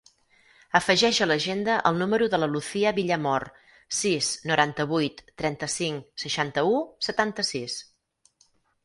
Afegeix a l'agenda el número de la Lucía Villamor: sis, noranta-vuit, trenta-cinc, seixanta-u, setanta-sis.